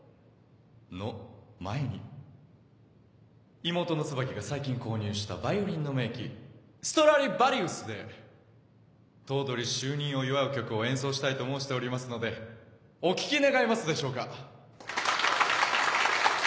の前に妹の椿が最近購入したバイオリンの名器ストラディバリウスで頭取就任を祝う曲を演奏したいと申しておりますのでお聴き願えますでしょうか？